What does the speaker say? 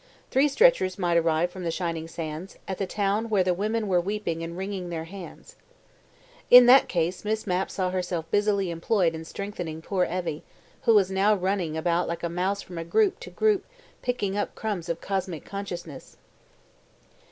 Three stretchers might arrive from the shining sands, at the town where the women were weeping and wringing their hands. In that case Miss Mapp saw herself busily employed in strengthening poor Evie, who now was running about like a mouse from group to group picking up crumbs of Cosmic Consciousness.